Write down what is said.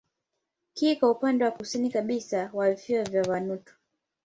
Kiko upande wa kusini kabisa wa visiwa vya Vanuatu.